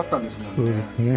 そうですね。